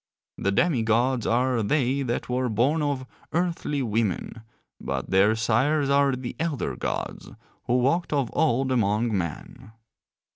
The demi gods are they that were born of earthly women, but their sires are the elder gods who walked of old among men.